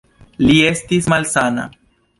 Li estis malsana.